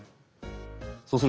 そうするとここ！